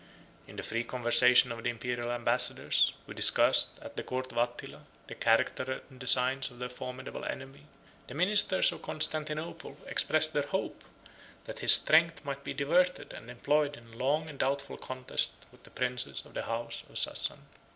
In the free conversation of the Imperial ambassadors, who discussed, at the court of Attila, the character and designs of their formidable enemy, the ministers of Constantinople expressed their hope, that his strength might be diverted and employed in a long and doubtful contest with the princes of the house of Sassan.